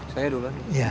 saya duluan ya